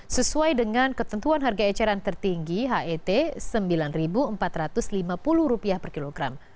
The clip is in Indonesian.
sesuai dengan ketentuan harga eceran tertinggi het rp sembilan empat ratus lima puluh per kilogram